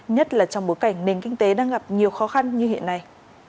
nhất là trong bối cảnh nền kinh tế đang gặp nhiều khó khăn như hiện nay